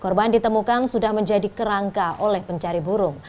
korban ditemukan sudah menjadi kerangka oleh pencari burung